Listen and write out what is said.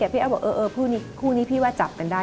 พี่แอฟบอกคู่นี้พี่ว่าจับกันได้